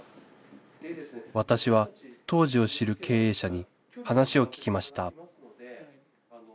私は当時を知る経営者に話を聞きました